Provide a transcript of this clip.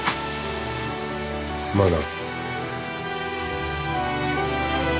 まあな。